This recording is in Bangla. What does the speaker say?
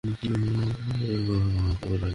সবকিছুই ক্ষমতার খেলা আসলে।